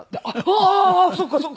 「ああーそっかそっか」